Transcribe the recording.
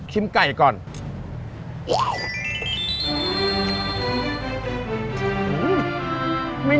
ชิมไก่ก่อน